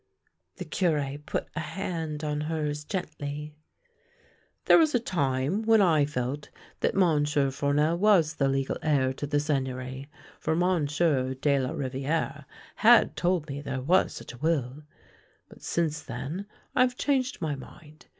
The Cure put a hand on hers gently. " There was a time when I felt that Monsieur Fournel was the legal heir to the Seigneury, for Monsieur de la Riviere had told me there was such a will; but since then I have changed my mind.